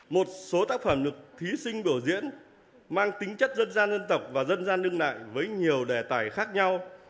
một số tác phẩm được thí sinh biểu diễn mang tính chất dân gian dân tộc và dân gian đương đại với nhiều đề tài khác nhau